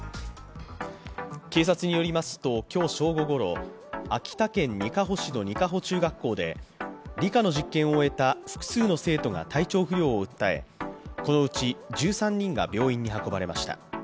警察によりますと、今日正午ごろ秋田県にかほ市の仁賀保中学校で理科の実験を終えた複数の生徒が体調不良を訴え、このうち１３人が病院に運ばれました。